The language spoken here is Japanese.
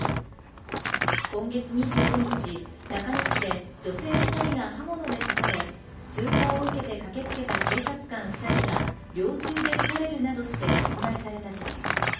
今月２５日、中野市で女性２人が刃物で刺され、通報を受けて駆けつけた警察官２人が、猟銃で撃たれるなどして殺害された事件。